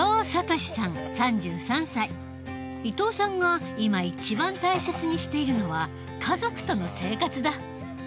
伊藤さんが今一番大切にしているのは家族との生活だ。